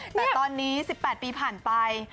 ห่วงหยิกแต่ตอนนี้๑๘ปีผ่านไป